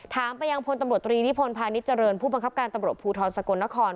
ไปยังพลตำรวจตรีนิพนธ์พาณิชยเจริญผู้บังคับการตำรวจภูทรสกลนคร